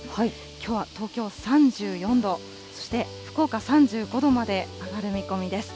きょうは東京３４度、そして福岡３５度まで上がる見込みです。